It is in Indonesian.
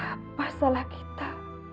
apa salah kita